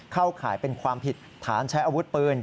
ข่ายเป็นความผิดฐานใช้อาวุธปืน